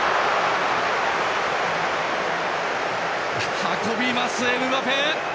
運びます、エムバペ！